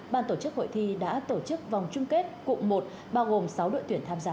ban tổ chức hội thi đã tổ chức vòng chung kết cụm một bao gồm sáu đội tuyển tham gia